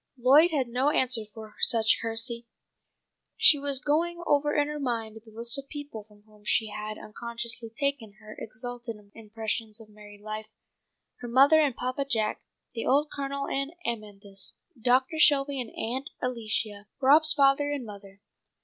Lloyd had no answer for such heresy. She was going over in her mind the list of people from whom she had unconsciously taken her exalted impressions of married life: her mother and Papa Jack, the old Colonel and Amanthis, Doctor Shelby and Aunt Alicia, Rob's father and mother.